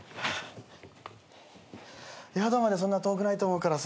宿までそんな遠くないと思うからさ。